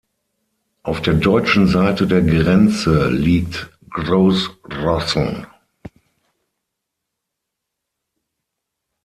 Auf der deutschen Seite der Grenze liegt Großrosseln.